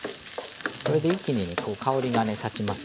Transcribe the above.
これで一気にね香りがね立ちます。